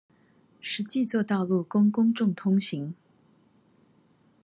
實際作道路供公眾通行